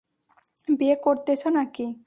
বিয়ে করতেছো নাকি?